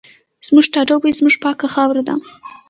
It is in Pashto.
زموږ ټاټوبی زموږ پاکه خاوره ده